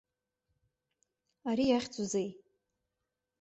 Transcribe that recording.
Ари иахьӡузеи?